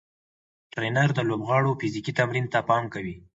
ټرېنر د لوبغاړو فزیکي تمرین ته پام کوي.